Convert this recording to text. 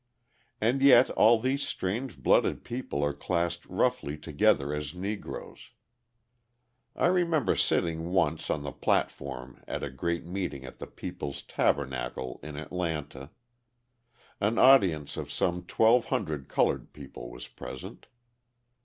And yet all these strange blooded people are classed roughly together as Negroes. I remember sitting once on the platform at a great meeting at the People's Tabernacle in Atlanta. An audience of some 1,200 coloured people was present.